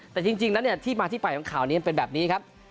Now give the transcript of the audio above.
แต่จริงดันที่มาที่ฝ่ายของข่าวนี้เป็นแบบนี้ครับ